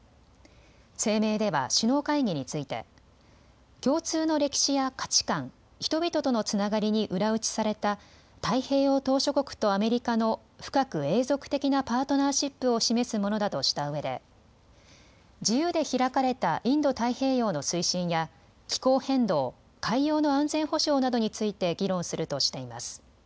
声明では首脳会議について共通の歴史や価値観、人々とのつながりに裏打ちされた太平洋島しょ国とアメリカの深く永続的なパートナーシップを示すものだとしたうえで自由で開かれたインド太平洋の推進や気候変動、海洋の安全保障などについて議論するとしています。